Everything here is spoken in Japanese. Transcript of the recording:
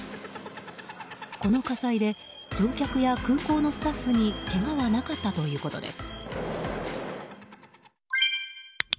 この火災で乗客や空港のスタッフにけがはなかったということです。